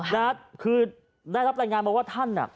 แน็ตซ์คือได้รับไร่งานมาว่าท่านอ่ะ